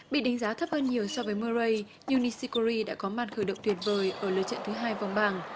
bị đánh giá thấp hơn nhiều so với murray nishikori đã có mặt khởi động tuyệt vời ở lượt trận thứ hai vòng bảng